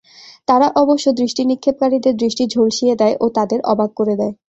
তারা অবশ্য দৃষ্টি নিক্ষেপকারীদের দৃষ্টি ঝলসিয়ে দেয় ও তাদের অবাক করে দেয়।